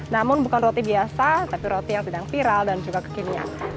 namun bukan roti biasa tapi roti yang sedang viral dan juga kekinian